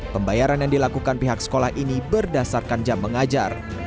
pembayaran yang dilakukan pihak sekolah ini berdasarkan jam mengajar